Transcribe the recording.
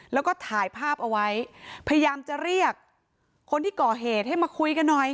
แล้วก็ถ่ายภาพเอาไว้พยายามจะเรียกคนที่ก่อเหตุให้มาคุยกันหน่อย